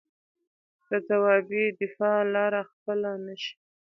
د ځوابي دفاع لاره خپله نه شي.